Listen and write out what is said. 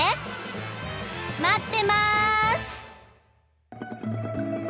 まってます！